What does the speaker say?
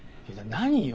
何よ。